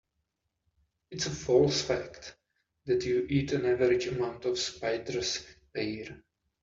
It's a false fact that you eat an average amount of spiders a year.